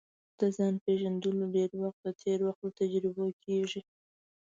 د ځان پېژندل ډېری وخت د تېر وخت له تجربو کیږي